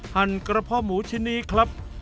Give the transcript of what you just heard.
หั่นกระเพาะหมูชิ้นนี้ครับ